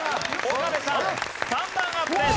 岡部さん３段アップです。